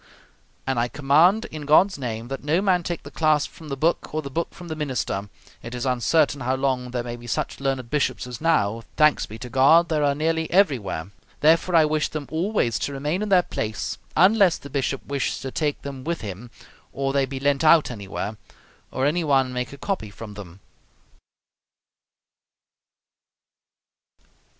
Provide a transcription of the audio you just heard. And I command, in God's name, that no man take the clasp from the book or the book from the minister: it is uncertain how long there may be such learned bishops as now, thanks be to God, there are nearly everywhere; therefore, I wish them always to remain in their place, unless the bishop wish to take them with him, or they be lent out anywhere, or any one make a copy from them.